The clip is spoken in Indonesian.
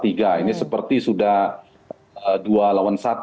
polar tiga ini seperti sudah dua lawan satu